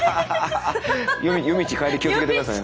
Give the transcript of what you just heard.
夜道帰り気を付けてくださいね。